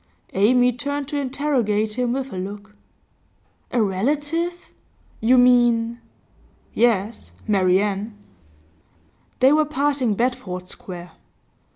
Amy turned to interrogate him with a look. 'A relative? You mean ?' 'Yes; Marian.' They were passing Bedford Square.